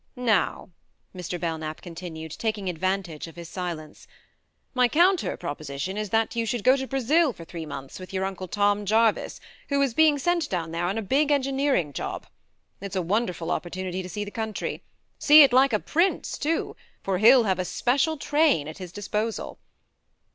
"Now," Mr. Belknap continued, taking advantage of his silence, "my counter proposition is that you should go to Brazil for three months with your Uncle Tom Jarvice, who is being sent down there on a big engineering job. It's a wonderful opportunity to see the country see it like a prince too, for he'll have a special train at his disposal.